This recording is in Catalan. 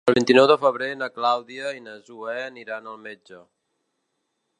El vint-i-nou de febrer na Clàudia i na Zoè aniran al metge.